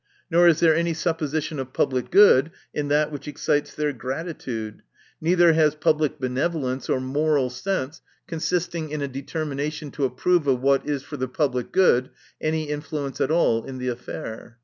Nor is there any supposition of public good in that which excites their gratitude ; neither has public benevolence, or moral sense, consisting in a determination to approve of what is for the public good, any influence at all in the affair.